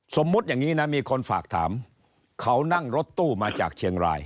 สมมุติอย่างนี้นะมีคนฝากถามเขานั่งรถตู้มาจากเชียงราย